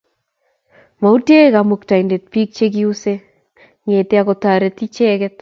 Mautie Kamuktaindet bik che kiuse, ngete akotorit icheket